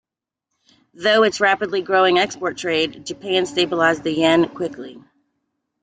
Through its rapidly growing export trade, Japan stabilized the yen quickly.